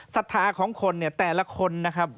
สัทธาของคนแต่ละคนนะครับ